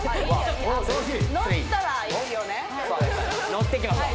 乗っていきましょう。